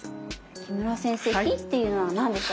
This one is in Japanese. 木村先生「脾」っていうのは何でしょうか？